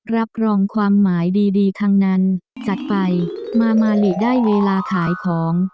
รับรองความหมายดีทั้งนั้นจัดไปมามาลิได้เวลาขายของ